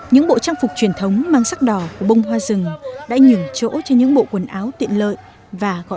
những bộ trang phục truyền thống mang sắc đỏ của bông hoa rừng đã nhường chỗ cho những bộ quần áo tiện lợi và gọn gàng hơn